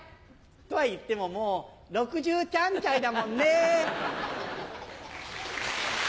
とはいってももう６３ちゃいだもんね！